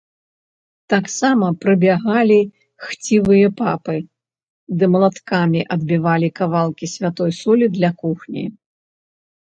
Таксама прыбягалі хцівыя папы ды малаткамі адбівалі кавалкі святой солі для кухні.